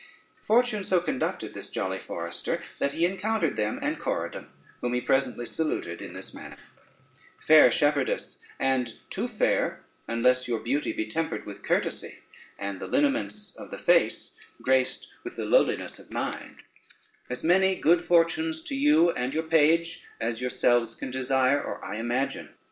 Fortune so conducted this jolly forester, that he encountered them and Corydon, whom he presently saluted in this manner: "Fair shepherdess, and too fair, unless your beauty be tempered with courtesy, and the lineaments of the face graced with the lowliness of mind, as many good fortunes to you and your page, as yourselves can desire or I imagine.